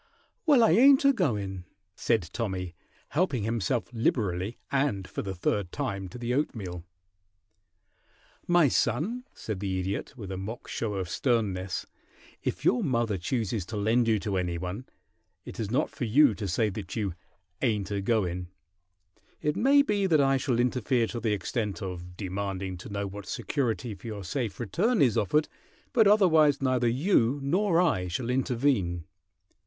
"Well, I ain't a goin'," said Tommy, helping himself liberally and for the third time to the oatmeal. "My son," said the Idiot, with a mock show of sternness, "if your mother chooses to lend you to any one it is not for you to say that you 'ain't a goin'. It may be that I shall interfere to the extent of demanding to know what security for your safe return is offered, but otherwise neither you nor I shall intervene.